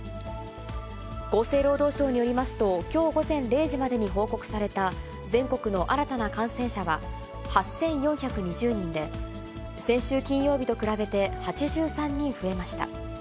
厚生労働省によりますと、きょう午前０時までに報告された、全国の新たな感染者は８４２０人で、先週金曜日と比べて８３人増えました。